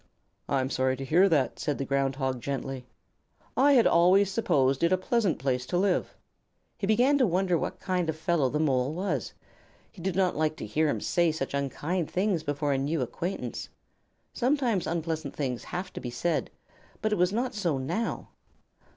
"I am sorry to hear that," said the Ground Hog, gently. "I had always supposed it a pleasant place to live in." He began to wonder what kind of fellow the Mole was. He did not like to hear him say such unkind things before a new acquaintance. Sometimes unpleasant things have to be said, but it was not so now.